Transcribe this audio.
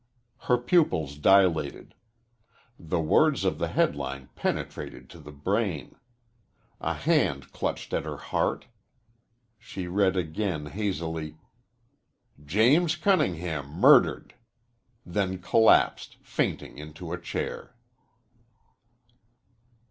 Her pupils dilated. The words of the headline penetrated to the brain. A hand clutched at her heart. She read again hazily JAMES CUNNINGHAM MURDERED then collapsed fainting into a chair.